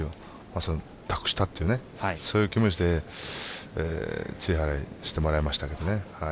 それを託したという気持ちで露払いしてもらいましたけどね。